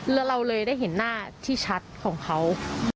แล้วเราเลยได้เห็นหน้าที่ชัดของเขา